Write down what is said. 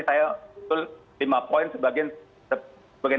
saya lima poin sebagian